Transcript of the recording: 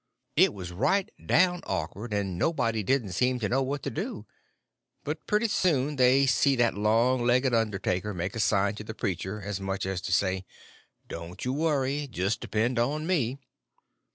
It was right down awkward, and nobody didn't seem to know what to do. But pretty soon they see that long legged undertaker make a sign to the preacher as much as to say, "Don't you worry—just depend on me."